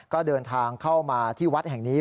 ก็เดินทางเข้ามาที่วัดแห่งนี้